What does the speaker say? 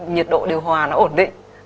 nhiệt độ điều hòa nó ổn định